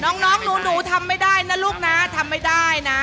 น้องหนูทำไม่ได้นะลูกนะทำไม่ได้นะ